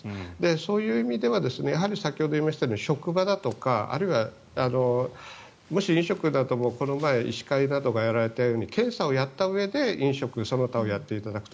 そういう意味ではやはり先ほど言いましたように職場だとかあるいはもし、飲食だとこの前医師会などがやられたように検査をやったうえで飲食その他をやっていただくと。